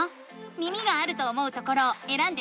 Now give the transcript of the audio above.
耳があると思うところをえらんでみて。